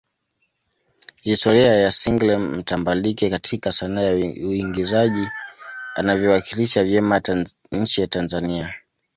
historia ya single mtambalike katika sanaa ya uingizaji anavyoiwakilisha vyema nchi ya Tanzania